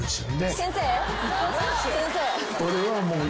先生。